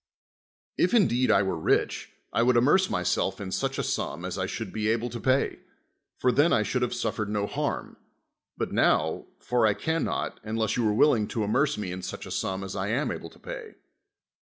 If, indeed I were rich, I would amerce myself in such a sum as I should be able to pay; for then I should have suti'iu'cd no harm, but now — for I can not, unless you are willing to amerce me in such a sum as I am able to pay.